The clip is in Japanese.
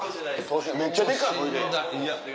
めっちゃデカいほいで。